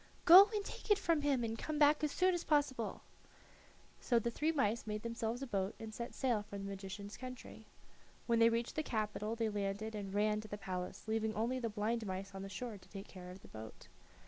"Go and take it from him, and come back as soon as possible." So the three mice made themselves a boat and set sail for the magician's country. When they reached the capital they landed and ran to the palace, leaving only the blind mouse on the shore to take care of the boat.